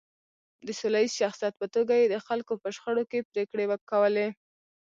د سوله ییز شخصیت په توګه یې د خلکو په شخړو کې پرېکړې کولې.